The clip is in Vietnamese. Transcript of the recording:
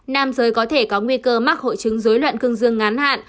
nam giới có thể có nguy cơ mắc hội chứng dối loạn cương dương ngắn hạn